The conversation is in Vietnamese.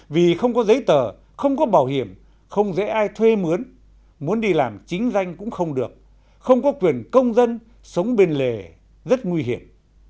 vì không có giấy tờ không có bảo hiểm không dễ ai thuê mướn muốn đi làm chính danh cũng không được không có quyền công dân sống bên lề rất nguy hiểm